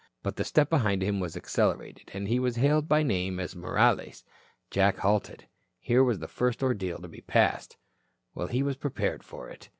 But the step behind him was accelerated, and he was hailed by name as Morales. Jack halted. Here was the first ordeal to be passed. Well, he was prepared for it.